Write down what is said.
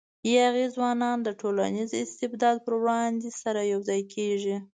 یاغي ځوانان د ټولنیز استبداد پر وړاندې سره یو ځای کېږي.